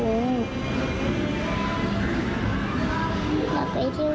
ออกไปเที่ยวกับพี่รุ้ง